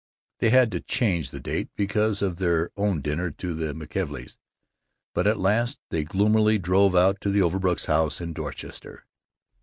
They had to change the date, because of their own dinner to the McKelveys, but at last they gloomily drove out to the Overbrooks' house in Dorchester.